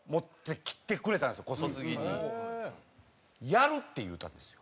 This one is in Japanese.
「やる」って言うたんですよ。